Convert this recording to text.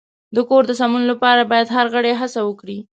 د کور د سمون لپاره باید هر غړی هڅه وکړي.